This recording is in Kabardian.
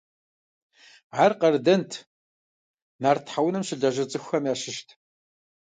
Ар къардэнт, нарт тхьэунэм щылажьэ цӀыхухэм ящыщт.